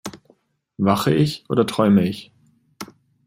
Wache ich oder träume ich?